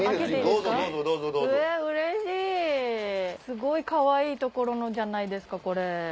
すごいかわいいところのじゃないですかこれ。